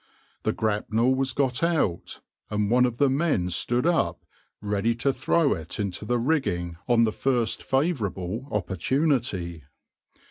The grapnel was got out, and one of the men stood up, ready to throw it into the rigging on the first favourable opportunity.